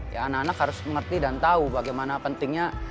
ya anak anak harus mengerti dan tahu bagaimana pentingnya